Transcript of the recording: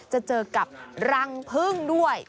จะเจอกับรังพึ่งด้วย